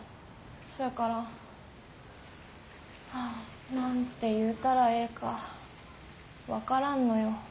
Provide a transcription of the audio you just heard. そやから何て言うたらええか分からんのよ。